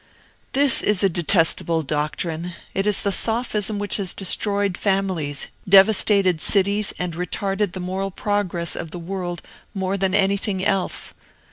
"This is detestable doctrine! It is the sophism which has destroyed families, devastated cities, and retarded the moral progress of the world more than anything else.